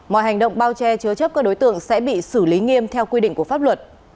mọi hành động bao che chứa chấp các đối tượng sẽ bị xử lý nghiêm theo quy định của pháp luật